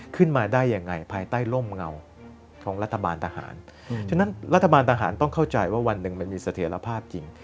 ขึ้นมาได้ยังไงภายใต้ร่มเงาของรัฐบาลทหารฉะนั้นรัฐบาลทหารต้องเข้าใจว่าวันหนึ่งมันมีเสถียรภาพจริง